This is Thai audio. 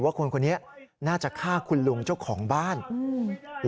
คนคนนี้น่าจะฆ่าคุณลุงเจ้าของบ้านอืม